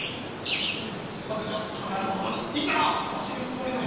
それで私は樽買いの子供に逃げろと教えるつもりで。